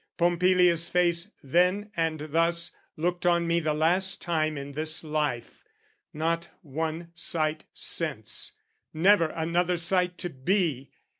Pompilia's face, then and thus, looked on me The last time in this life: not one sight since, Never another sight to be!